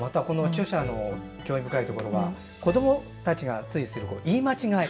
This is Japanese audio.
著者の興味深いところは子どもたちが、ついついする言い間違い。